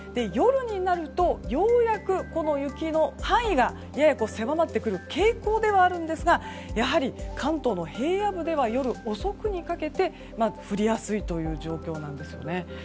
夜になると、ようやくこの雪の範囲がやや狭まってくる傾向ではあるんですがやはり、関東の平野部では夜遅くにかけて降りやすいという状況なんですよね。